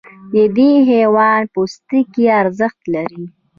د دې حیوان پوستکی ارزښت لري.